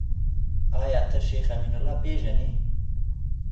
آيا ته شيخ امين الله پېژنې ؟